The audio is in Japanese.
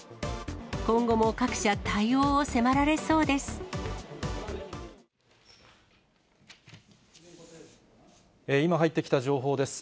今後も各社、対応を迫られそうです。